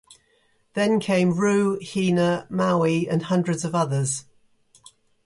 Then came Ru, Hina, Maui, and hundreds of others.